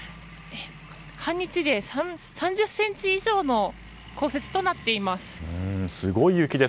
半日で３０ｃｍ以上の降雪となっています。